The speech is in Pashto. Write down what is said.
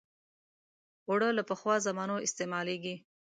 اوړه له پخوا زمانو استعمالېږي